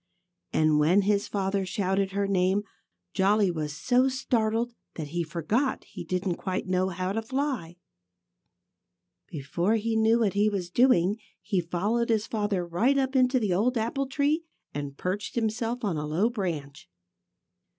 And when his father shouted her name Jolly was so startled that he forgot he didn't quite know how to fly. Before he knew what he was doing, he followed his father right up into the old apple tree and perched himself on a low branch.